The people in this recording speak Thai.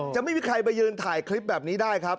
จะไม่มีใครไปยืนถ่ายคลิปแบบนี้ได้ครับ